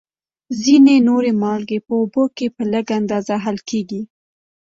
ځینې نورې مالګې په اوبو کې په لږ اندازه حل کیږي.